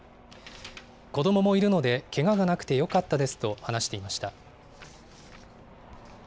子どももいるのでけががなくてよかったですと話していました。